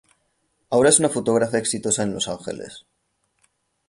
Ahora es una fotógrafa exitosa en Los Ángeles.